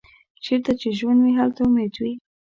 چیرته چې ژوند وي، هلته امید وي.